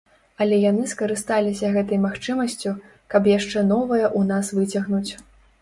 Але яны скарысталіся гэтай магчымасцю, каб яшчэ новае ў нас выцягнуць.